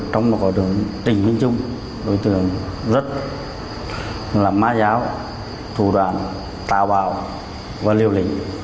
trong một khóa trường trịnh minh trung đối tượng rất là má giáo thủ đoàn tàu bào và liều lĩnh